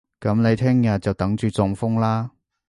噉你聽日就等住中風啦